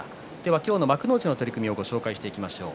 今日の幕内の取組をご紹介していきましょう。